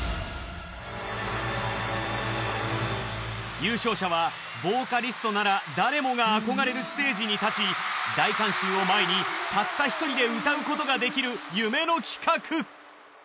優勝者はボーカリストなら誰もがあこがれるステージに立ち大観衆を前にたった一人で歌うことができる夢の企画。